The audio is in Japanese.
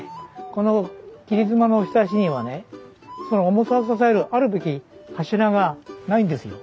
この切り妻のひさしにはねその重さを支えるあるべき柱がないんですよ。